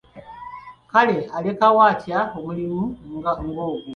Kale alekawo atya omulimu nga ogwo?